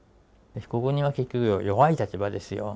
被告人は結局弱い立場ですよ。